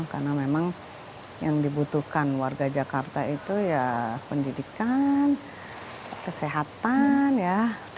karena memang yang dibutuhkan warga jakarta itu ya pendidikan kesehatan ya